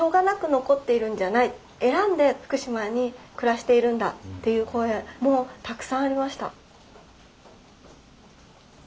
選んで福島に暮らしているんだ」っていう声もたくさんありました。